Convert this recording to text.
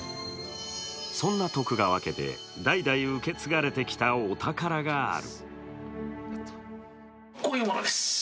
そんな徳川家で代々受け継がれてきたお宝がある。